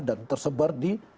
dan tersebar di